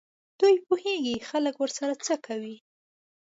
دوی پوهېږي خلک ورسره څه کوي.